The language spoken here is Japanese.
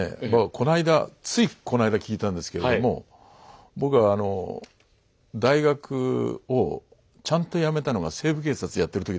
この間ついこの間聞いたんですけれども僕が大学をちゃんとやめたのが「西部警察」やってる時なんですね。